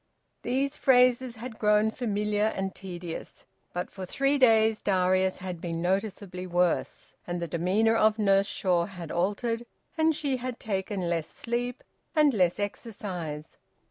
These phrases had grown familiar and tedious. But for three days Darius had been noticeably worse, and the demeanour of Nurse Shaw had altered, and she had taken less sleep and less exercise.